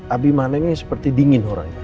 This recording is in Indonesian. abimaneng ini seperti dingin orangnya